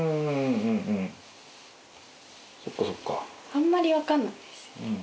あんまり分かんないですよね。